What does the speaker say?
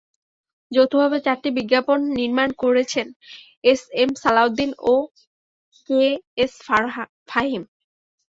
যৌথভাবে চারটি বিজ্ঞাপন নির্মাণ করেছেন এস এম সালাউদ্দিন ও কে এস ফাহিম।